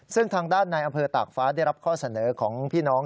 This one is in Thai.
ซึ่งทางด้านในอำเภอตากฟ้าได้รับข้อเสนอของพี่น้อง